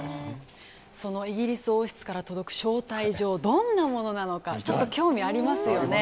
そのイギリス王室から届く招待状どんなものなのかちょっと興味ありますよね。